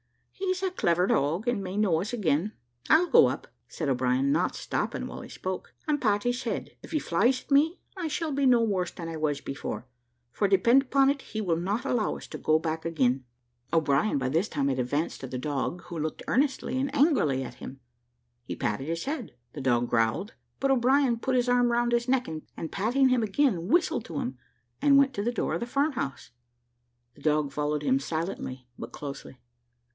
"He's a clever dog, and may know us again. I'll go up," said O'Brien, not stopping while he spoke, "and pat his head; if he flies at me, I shall be no worse than I was before, for depend upon it he will not allow us to go back again." O'Brien by this time had advanced to the dog, who looked earnestly and angrily at him. He patted his head, the dog growled, but O'Brien put his arm round his neck, and patting him again, whistled to him, and went to the door of the farm house. The dog followed him silently but closely.